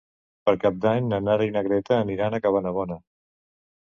Per Cap d'Any na Nara i na Greta aniran a Cabanabona.